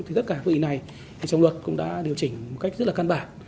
thì tất cả quy định này trong luật cũng đã điều chỉnh một cách rất là căn bản